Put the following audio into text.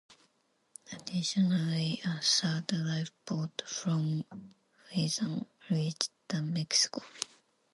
Additionally, a third lifeboat, from Lytham, reached the "Mexico".